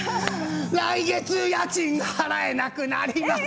「来月の家賃払えなくなります」。